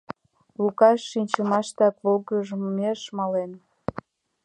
Лукаш шинчымаштак волгыжмеш мален.